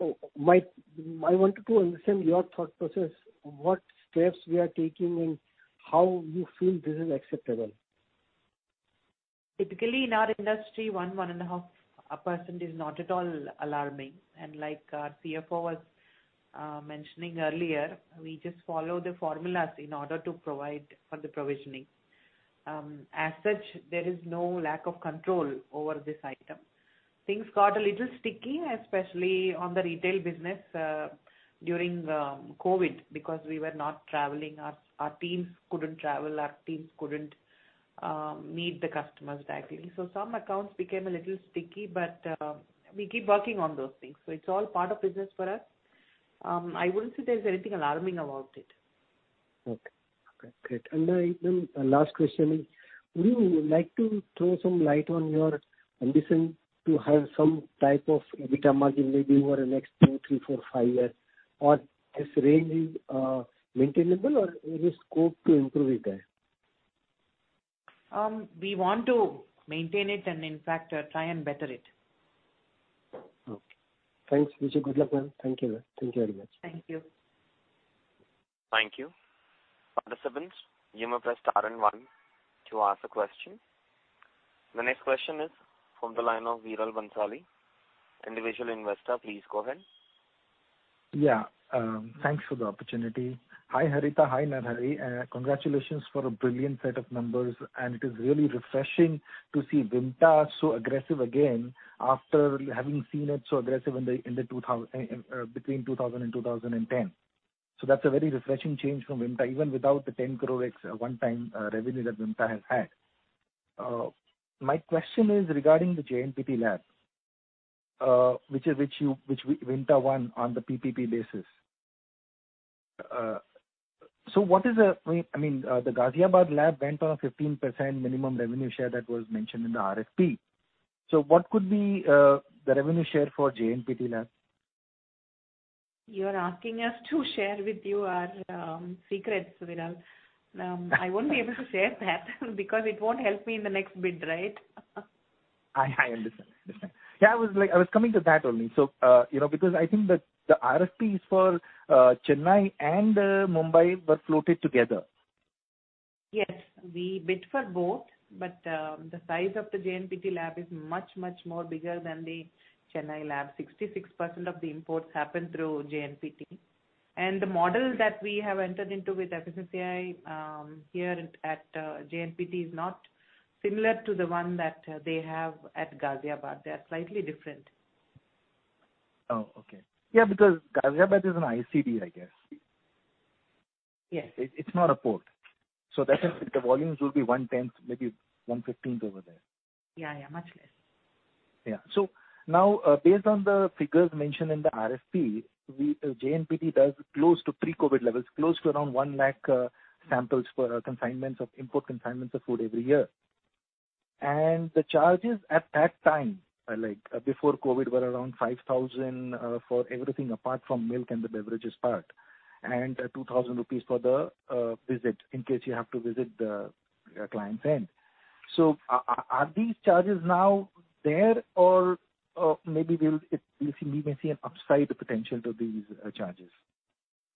I wanted to understand your thought process. What steps we are taking and how you feel this is acceptable? Typically, in our industry, 1.5% is not at all alarming. Like our CFO was mentioning earlier, we just follow the formulas in order to provide for the provisioning. As such, there is no lack of control over this item. Things got a little sticky, especially on the retail business, during COVID, because we were not traveling. Our teams couldn't travel. Our teams couldn't meet the customers directly. Some accounts became a little sticky but we keep working on those things. It's all part of business for us. I wouldn't say there's anything alarming about it. Okay, great. Last question is, would you like to throw some light on your ambition to have some type of EBITDA margin maybe over the next two, three, four, five years? Or this range is maintainable or there is scope to improve it there? We want to maintain it and in fact, try and better it. Okay. Thanks. Wish you good luck, ma'am. Thank you, ma'am. Thank you very much. Thank you. Thank you. Participants, you may press star one to ask a question. The next question is from the line of Viral Bhansali, individual investor. Please go ahead. Thanks for the opportunity. Hi, Harita. Hi, Narahari Naidu. Congratulations for a brilliant set of numbers. It is really refreshing to see Vimta so aggressive again after having seen it so aggressive between 2000 and 2010. That's a very refreshing change from Vimta, even without the 10 crore ex one-time revenue that Vimta has had. My question is regarding the JNPT lab which Vimta won on the PPP basis. The Ghaziabad lab went on a 15% minimum revenue share that was mentioned in the RFP. What could be the revenue share for JNPT lab? You are asking us to share with you our secrets, Viral. I won't be able to share that because it won't help me in the next bid, right? I understand. Yeah, I was coming to that only. I think that the RFPs for Chennai and Mumbai were floated together. Yes, we bid for both, but the size of the JNPT lab is much, much more bigger than the Chennai lab. 66% of the imports happen through JNPT. The model that we have entered into with FSSAI here at JNPT is not similar to the one that they have at Ghaziabad. They are slightly different. Oh, okay. Yeah, because Ghaziabad is an ICD, I guess. Yes. It's not a port. That means the volumes will be 1/10, maybe 1/15 over there. Yeah. Much less. Yeah. Now, based on the figures mentioned in the RFP, JNPT does close to pre-COVID levels, close to around 1 lakh samples for import consignments of food every year. The charges at that time, like before COVID, were around 5,000 for everything apart from milk and the beverages part, and 2,000 rupees for the visit, in case you have to visit the client's end. Are these charges now there, or maybe we may see an upside potential to these charges?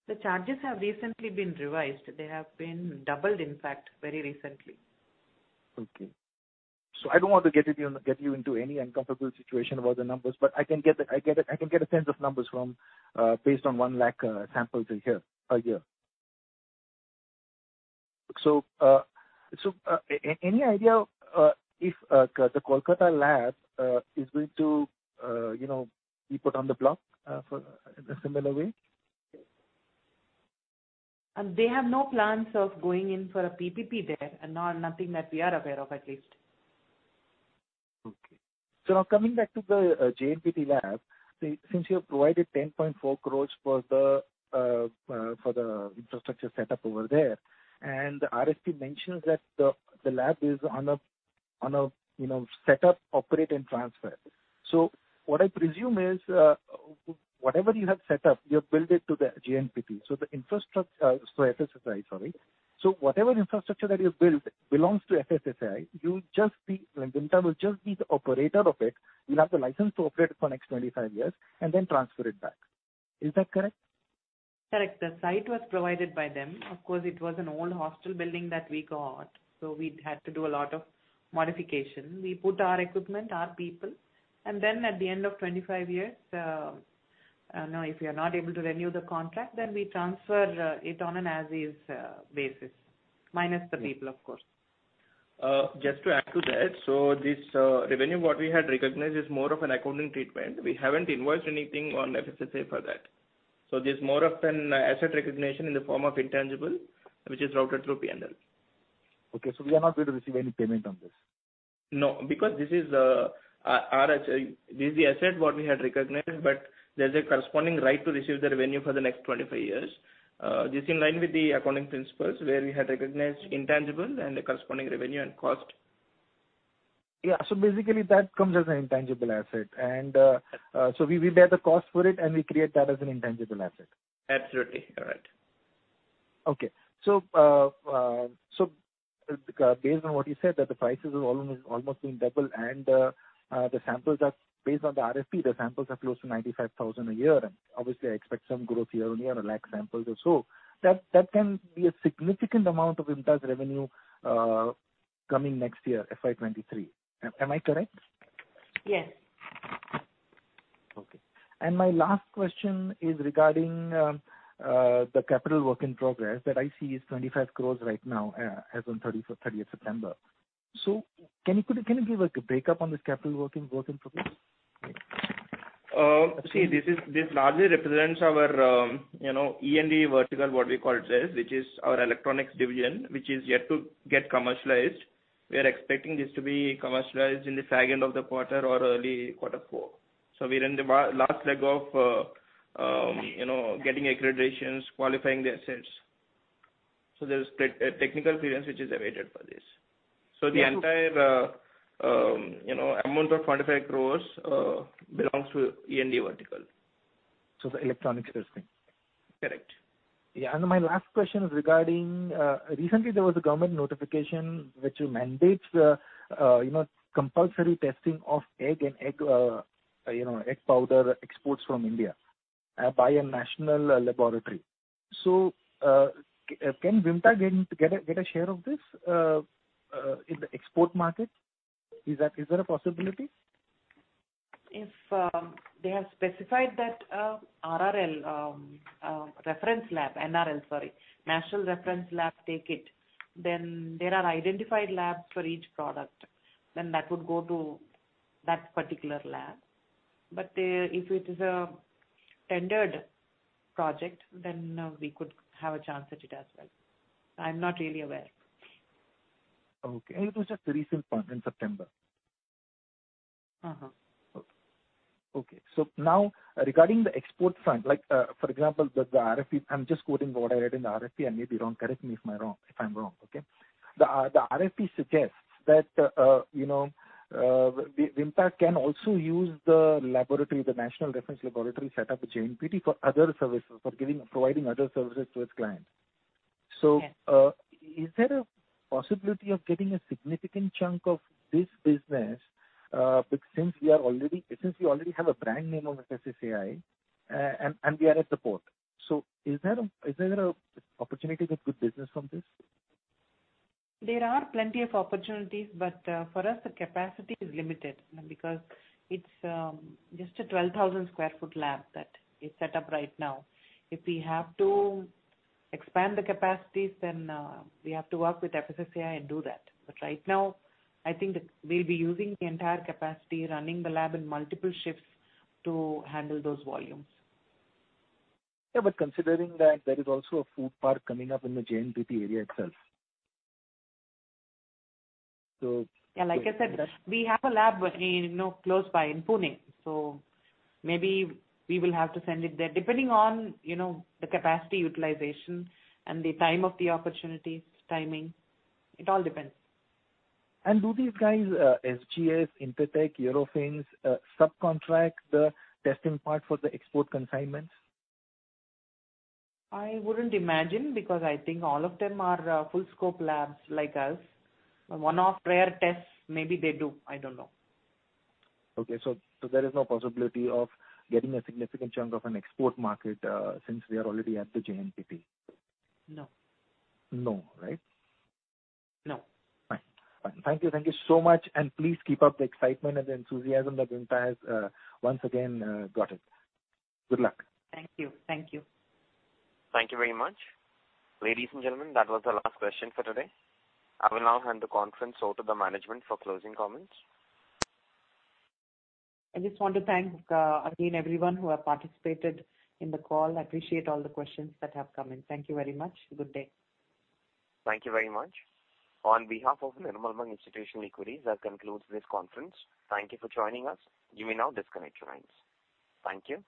The charges have recently been revised. They have been doubled, in fact, very recently. Okay. I don't want to get you into any uncomfortable situation about the numbers, but I can get a sense of numbers based on 1 lakh samples a year. Any idea if the Kolkata lab is going to be put on the block in a similar way? They have no plans of going in for a PPP there. Nothing that we are aware of, at least. Okay. Now coming back to the JNPT lab, since you have provided 10.4 crores for the infrastructure set up over there, and the RFP mentions that the lab is on a setup operate and transfer. What I presume is, whatever you have set up, you have billed it to the FSSAI. Whatever infrastructure that you've built belongs to FSSAI. Vimta will just be the operator of it. You'll have the license to operate it for the next 25 years, and then transfer it back. Is that correct? Correct. The site was provided by them. Of course, it was an old hostel building that we got, so we had to do a lot of modification. We put our equipment, our people. At the end of 25 years, if we are not able to renew the contract, then we transfer it on an as is basis, minus the people, of course. Just to add to that. This revenue what we had recognized is more of an accounting treatment. We haven't invoiced anything on FSSAI for that. This is more of an asset recognition in the form of intangible, which is routed through P&L. Okay. We are not going to receive any payment on this. No, because this is the asset what we had recognized, but there's a corresponding right to receive the revenue for the next 25 years. This is in line with the accounting principles, where we had recognized intangibles and the corresponding revenue and cost. Basically that comes as an intangible asset. We bear the cost for it, and we create that as an intangible asset. Absolutely. Correct. Based on what you said, that the prices have almost been doubled and based on the RFP, the samples are close to 95,000 a year, and obviously I expect some growth year on year, 1 lakh samples or so. That can be a significant amount of Vimta's revenue coming next year, FY23. Am I correct? Yes. My last question is regarding the capital work in progress that I see is 25 crore right now as on 30th September. Can you give a breakup on this capital work in progress? This largely represents our E&E vertical, what we call it as, which is our electronics division, which is yet to get commercialized. We are expecting this to be commercialized in the second of the quarter or early quarter four. We're in the last leg of getting accreditations, qualifying the assets. There's technical clearance which is awaited for this. The entire amount of 25 crores belongs to E&E vertical. It's the electronics testing. Correct. Yeah. My last question is regarding, recently there was a government notification which mandates compulsory testing of egg and egg powder exports from India by a national laboratory. Can Vimta get a share of this in the export market? Is there a possibility? If they have specified that RRL, reference lab, NRL, sorry, National Reference Lab, take it, then there are identified labs for each product, then that would go to that particular lab. If it is a tendered project, then we could have a chance at it as well. I'm not really aware. Okay. It was just recent one in September. Okay. Now regarding the export front, for example, the RFP, I'm just quoting what I read in the RFP, I may be wrong, correct me if I'm wrong, okay? The RFP suggests that Vimta can also use the laboratory, the National Reference Laboratory set up at JNPT for other services, for providing other services to its clients. Yes. Is there a possibility of getting a significant chunk of this business? Since we already have a brand name of FSSAI, and we are at the port. Is there an opportunity to put business from this? There are plenty of opportunities, but for us, the capacity is limited because it's just a 12,000 sq ft lab that is set up right now. If we have to expand the capacities, then we have to work with FSSAI and do that. Right now, I think we'll be using the entire capacity, running the lab in multiple shifts to handle those volumes. Yeah, considering that there is also a food park coming up in the JNPT area itself. Yeah, like I said, we have a lab close by in Pune, so maybe we will have to send it there depending on the capacity utilization and the time of the opportunity, timing. It all depends. Do these guys, SGS, Intertek, Eurofins, subcontract the testing part for the export consignments? I wouldn't imagine because I think all of them are full scope labs like us. One-off rare tests, maybe they do, I don't know. Okay. There is no possibility of getting a significant chunk of an export market, since we are already at the JNPT. No. No, right? No. Fine. Thank you so much. Please keep up the excitement and the enthusiasm that Vimta has once again gotten. Good luck. Thank you. Thank you very much. Ladies and gentlemen, that was our last question for today. I will now hand the conference over to the management for closing comments. I just want to thank again everyone who have participated in the call. I appreciate all the questions that have come in. Thank you very much. Good day. Thank you very much. On behalf of Nirmal Bang Institutional Equities, that concludes this conference. Thank you for joining us. You may now disconnect your lines. Thank you.